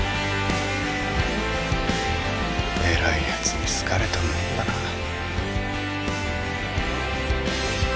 えらいヤツに好かれたもんだな